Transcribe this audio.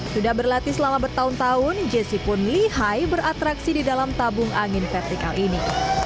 sudah berlatih selama bertahun tahun jesse pun lihai beratraksi di dalam tabung angin vertikal ini